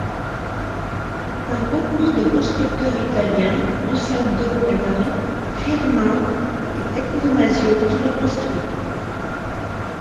C'est un groupement de constructeurs italiens AnsaldoBreda - Firema et Tecnomasio qui la construit.